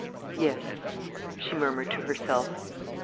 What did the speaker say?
"Yes," she murmured to herself.